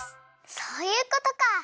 そういうことか。